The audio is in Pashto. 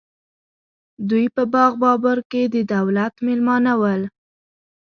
دوی په باغ بابر کې د دولت مېلمانه ول.